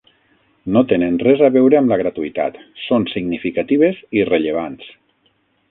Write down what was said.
No tenen res a veure amb la gratuïtat, són significatives i rellevants.